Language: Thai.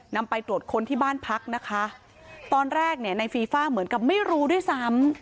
นำไปตรวจค้นที่บ้านพักนะคะตอนแรกเนี่ยในฟีฟ่าเหมือนกับไม่รู้ด้วยซ้ำ